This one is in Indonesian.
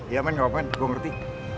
iya men gapapa men gua ngerti